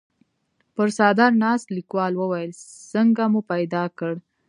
پر څادر ناست کليوال وويل: څنګه مو پيدا کړ؟